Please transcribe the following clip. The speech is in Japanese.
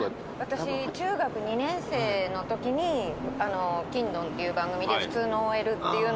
私中学２年生のときに『欽ドン！』っていう番組で普通のＯＬっていうのをやって。